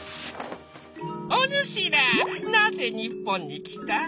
「おぬしらなぜ日本に来た？」。